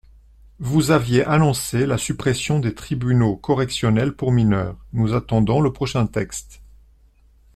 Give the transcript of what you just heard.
Vous aviez annoncé la suppression des tribunaux correctionnels pour mineurs, nous attendons le prochain texte.